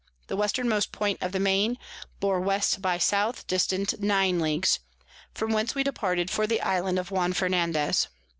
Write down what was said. the Westermost Point of the Main bore W by S. dist. 9 Ls. from whence we departed for the Island of Juan Fernandez.